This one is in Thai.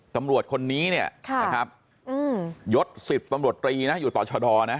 ตำรวจคนนี้เนี่ยนะครับยศ๑๐ตำรวจตรีนะอยู่ต่อชะดอนะ